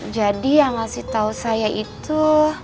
jadi yang masih tau saya itu